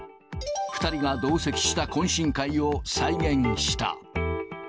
２人が同席した懇親会を再現した。